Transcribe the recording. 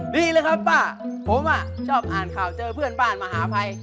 ดีเลยครับป้าผมชอบอ่านข่าวเจอเพื่อนบ้านมหาภัย